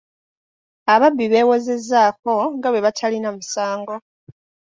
Ababbi beewozezzaako nga bwe batalina musango.